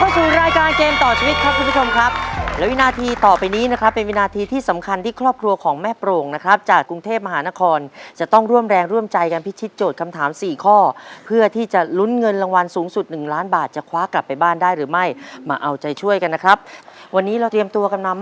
สู่รายการเกมต่อชีวิตครับคุณผู้ชมครับและวินาทีต่อไปนี้นะครับเป็นวินาทีที่สำคัญที่ครอบครัวของแม่โปร่งนะครับจากกรุงเทพมหานครจะต้องร่วมแรงร่วมใจกันพิชิตโจทย์คำถามสี่ข้อเพื่อที่จะลุ้นเงินรางวัลสูงสุดหนึ่งล้านบาทจะคว้ากลับไปบ้านได้หรือไม่มาเอาใจช่วยกันนะครับวันนี้เราเตรียมตัวกันนำ